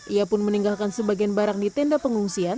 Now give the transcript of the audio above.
ia pun meninggalkan sebagian barang di tenda pengungsian